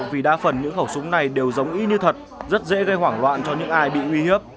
vì đa phần những khẩu súng này đều giống y như thật rất dễ gây hoảng loạn cho những ai bị uy hiếp